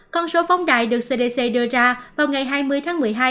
con số phóng đại được cdc đưa ra vào ngày hai mươi tháng một mươi hai